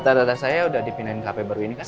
data data saya udah dipindahin ke hp baru ini mas